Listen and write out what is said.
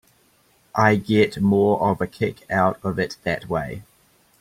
I get more of a kick out of it that way.